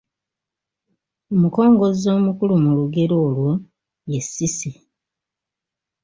Omukongozzi omukulu mu lugero olwo ye Cissy.